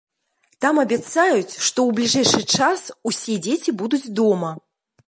Там абяцаюць, што ў бліжэйшы час усе дзеці будуць дома.